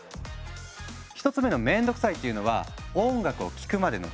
１つ目の「面倒くさい」っていうのは「音楽を聴くまでの手間」。